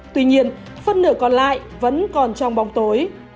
tuy nhiên phân nửa còn lại vẫn còn trong bóng tối